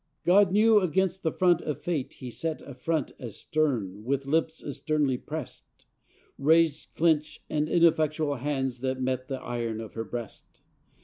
God knew against the front of fate he set A front as stern, with lips as sternly pressed; Raised clenched and ineffectual hands that met The iron of her breast.